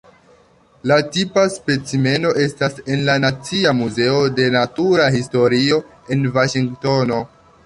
La tipa specimeno estas en la Nacia Muzeo de Natura Historio en Vaŝingtono.